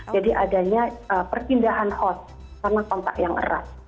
jadi adanya perpindahan host karena kontak yang erat